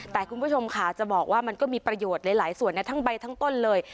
แต่คุณผู้ชมค่ะจะบอกว่ามันก็มีประโยชน์หลายส่วนนะทั้งใบทั้งต้นเลย